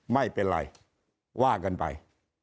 ไม่เป็นไรว่ากันไป